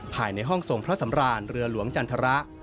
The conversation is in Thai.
ภายในห้องทรงพระสำราญเรือหลวงจันทร